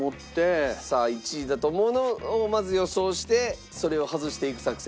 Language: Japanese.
１位だと思うものをまず予想してそれを外していく作戦。